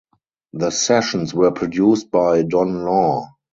The sessions were produced by Don Law.